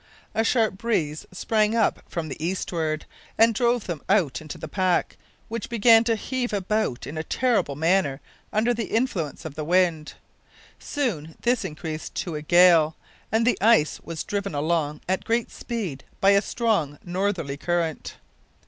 A sharp breeze sprang up from the eastward, and drove them out into the pack, which began to heave about in a terrible manner under the influence of the wind. Soon this increased to a gale, and the ice was driven along at great speed by a strong northerly current.